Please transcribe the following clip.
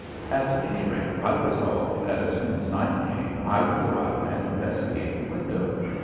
At any rate, I resolved that as soon as night came I would go out and investigate the window.